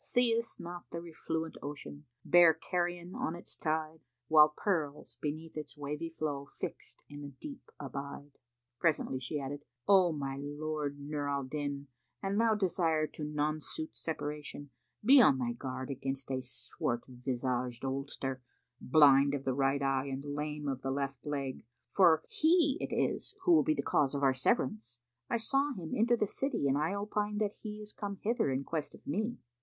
See'st not th' refluent ocean, bear carrion on its tide, While pearls beneath its wavy flow, fixed in the deep, abide?'" Presently she added, "O my lord Nur al Din, an thou desire to nonsuit separation, be on thy guard against a swart visaged oldster, blind of the right eye and lame of the left leg; for he it is who will be the cause of our severance. I saw him enter the city and I opine that he is come hither in quest of me."